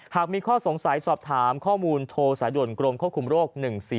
หากมีข้อสงสัยสอบถามข้อมูลโทรสายด่วนกรมควบคุมโรค๑๔